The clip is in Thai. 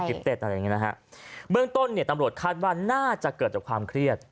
เต้นอะไรอย่างเงี้นะฮะเบื้องต้นเนี่ยตำรวจคาดว่าน่าจะเกิดจากความเครียด